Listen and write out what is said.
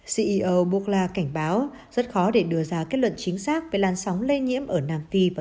ceo bukla cảnh báo rất khó để đưa ra kết luận chính xác về lan sóng lây nhiễm ở nam phi và